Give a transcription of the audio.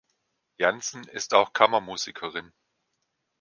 Jansen ist auch Kammermusikerin.